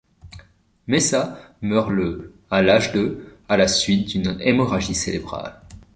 Mesa meurt le à l'âge de à la suite d'une hémorragie cérébrale.